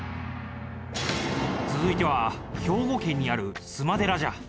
続いては兵庫県にある須磨寺じゃ。